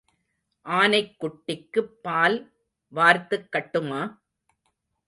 ஆனைக் குட்டிக்குப் பால் வார்த்துக் கட்டுமா?